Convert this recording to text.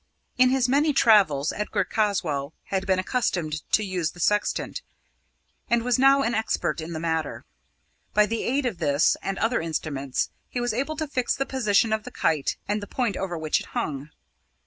In his many travels, Edgar Caswall had been accustomed to use the sextant, and was now an expert in the matter. By the aid of this and other instruments, he was able to fix the position of the kite and the point over which it hung.